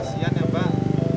kasian ya mbak